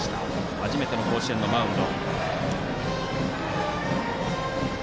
初めての甲子園のマウンド。